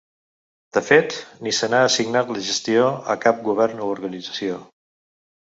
De fet, ni se n’ha assignat la gestió a cap govern o organització.